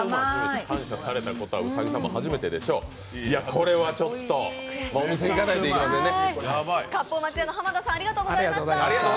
これはちょっとお店に行かないといけませんね。